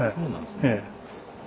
ええ。